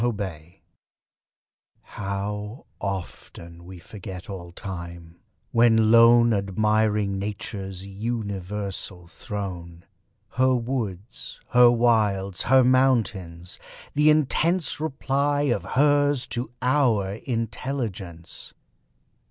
STANZAS How often we forget all time, when lone Admiring Nature's universal throne; Her woods her wilds her mountains the intense Reply of HERS to OUR intelligence!